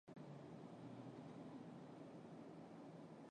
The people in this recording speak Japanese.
ロット県の県都はカオールである